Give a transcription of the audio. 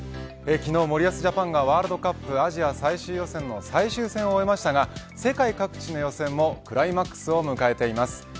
昨日、森保ジャパンがワールドカップアジア最終予選の最終戦を終えて世界各地の予選もクライマックスを迎えています。